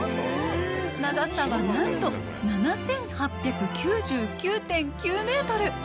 長さは、なんと７８９９．９メートル。